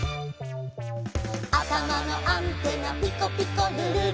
「あたまのアンテナピコピコるるる」